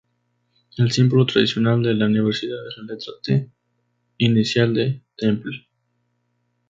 El símbolo tradicional de la Universidad es la letra "T", inicial de "Temple".